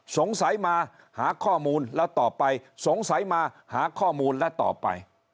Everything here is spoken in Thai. สงสัยมาหาข้อมูลแล้วต่อไปสงสัยมาหาข้อมูลและต่อไป